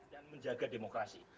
dan menjaga demokrasi